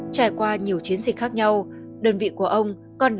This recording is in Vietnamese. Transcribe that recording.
trải qua nhiều chiến dịch khác nhau đơn vị của ông còn đáng nhớ